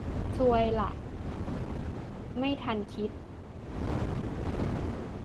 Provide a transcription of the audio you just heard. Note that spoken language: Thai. ซวยละ ไม่ทันคิด